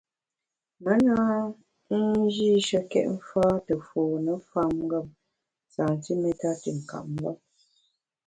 Me na njîshekét mfâ te fône famngem santiméta te nkap mvem.